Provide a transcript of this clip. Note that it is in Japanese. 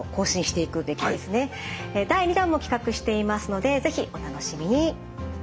第２弾も企画していますので是非お楽しみに。